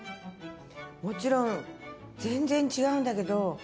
もちろん全然違うんだけど。